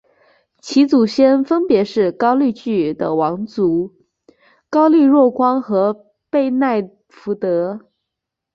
其祖先分别是高句丽的王族高丽若光和背奈福德。